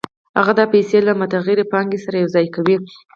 هغه دا پیسې له متغیرې پانګې سره یوځای کوي